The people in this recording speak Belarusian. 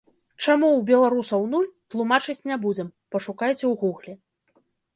Чаму ў беларусаў нуль, тлумачыць не будзем, пашукайце ў гугле.